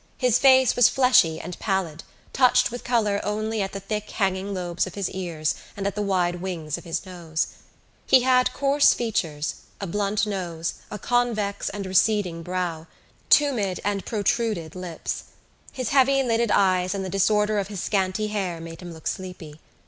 His face was fleshy and pallid, touched with colour only at the thick hanging lobes of his ears and at the wide wings of his nose. He had coarse features, a blunt nose, a convex and receding brow, tumid and protruded lips. His heavy lidded eyes and the disorder of his scanty hair made him look sleepy.